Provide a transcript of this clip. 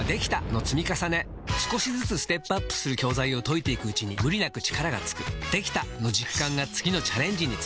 少しずつステップアップする教材を解いていくうちに無理なく力がつく「できた！」の実感が次のチャレンジにつながるよし！